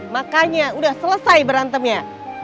makanya udah selesai berantemnya